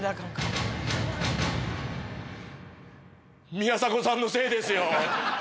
宮迫さんのせいですよ。